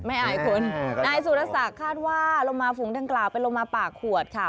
อายคุณนายสุรศักดิ์คาดว่าโลมาฝูงดังกล่าวเป็นโลมาปากขวดค่ะ